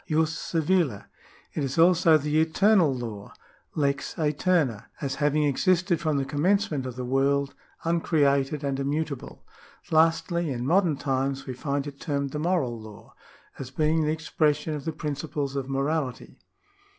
jus civile). It is also the Eternal Law (lex aeterna), as having existed from the commencement of the world, uncreated and immutable. Lastly, in modern times we find it termed the Moral Law, as being the expression of the principles of morality.